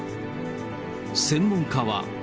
専門家は。